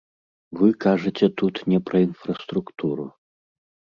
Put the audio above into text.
Вы кажаце тут не пра інфраструктуру.